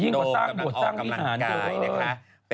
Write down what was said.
โดออกกำลังกายนะค้า